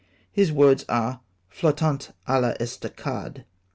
'' His words, are ' '•jlottant a I'estacade."